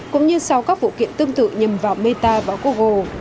cũng như sau các vụ kiện tương tự nhằm vào meta và google